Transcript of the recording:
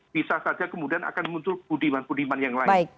bisa saja kemudian akan muncul budiman budiman yang lain